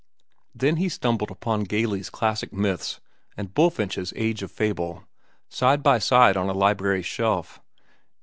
Then he stumbled upon Gayley's "Classic Myths" and Bulfinch's "Age of Fable," side by side on a library shelf.